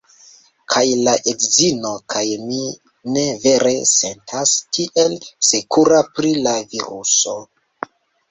Kaj la edzino kaj mi ne vere sentas tiel sekura pri la viruso